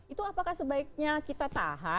itu apakah sebaiknya kita tahan